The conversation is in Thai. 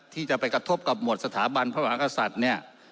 ที่จะไปกระทบกับหมวดสถาบันพระมหากษัตริย์เนี่ย